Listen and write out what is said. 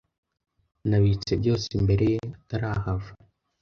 Nabitse byose imbere ye atarahava.